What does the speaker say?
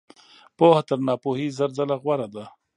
پوهه تر ناپوهۍ زر ځله غوره ده.